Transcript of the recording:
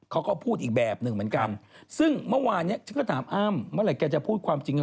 เอ้อคุณคุยกับคุณเคลียร์ที่ตรงนี้